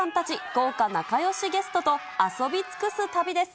豪華仲よしゲストと遊び尽くす旅です。